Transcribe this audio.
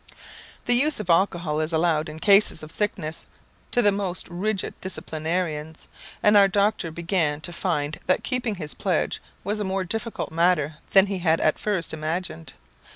The use of alcohol is allowed in cases of sickness to the most rigid disciplinarians, and our doctor began to find that keeping his pledge was a more difficult matter than he had at first imagined.